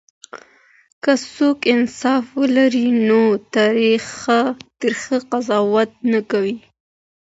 که څوک انصاف ولري نو تريخ قضاوت نه کوي.